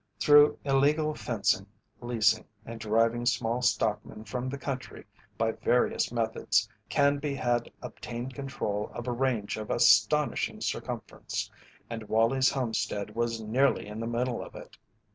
Through illegal fencing, leasing, and driving small stockmen from the country by various methods, Canby had obtained control of a range of astonishing circumference, and Wallie's homestead was nearly in the middle of it.